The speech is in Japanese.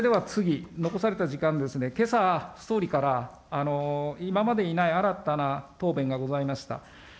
それでは次、残された時間ですけれども、けさ、総理から今までにない新たな答弁がございました。